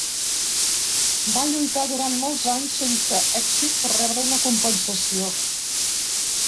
Va lluitar durant molt anys sense èxit per rebre una compensació.